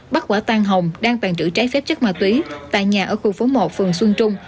bắt quả tan hồng đang tàn trữ trái phép chất ma túy tại nhà ở khu phố một phường xuân trung